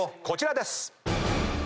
こちらです！